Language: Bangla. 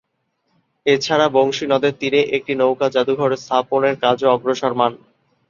এছাড়া বংশী নদের তীরে একটি নৌকা জাদুঘর স্থাপনের কাজও অগ্রসরমান।